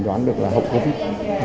trần đoán được là hậu covid